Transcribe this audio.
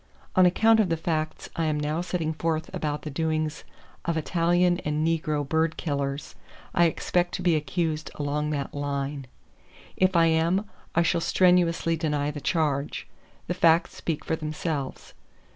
On account of the facts I am now setting forth about the doings of Italian and negro bird killers, I expect to be accused along that line. If I am, I shall strenuously deny the charge. The facts speak for themselves.